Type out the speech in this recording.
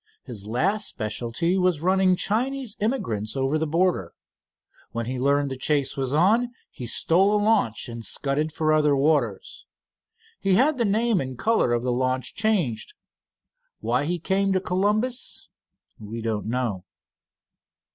His last specialty was running Chinese emigrants over the border. When he learned the chase was on, he stole a launch and scudded for other waters. He had the name and color of the launch changed. Why he came to Columbus we don't know."